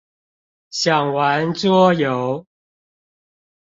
想玩桌遊！